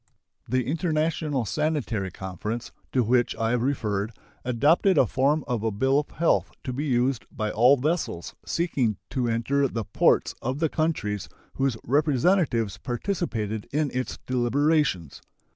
The International Sanitary Conference, to which I have referred, adopted a form of a bill of health to be used by all vessels seeking to enter the ports of the countries whose representatives participated in its deliberations.